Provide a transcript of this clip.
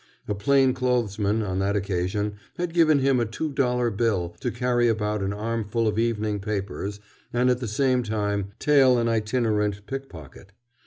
A plain clothes man, on that occasion, had given him a two dollar bill to carry about an armful of evening papers and at the same time "tail" an itinerant pickpocket.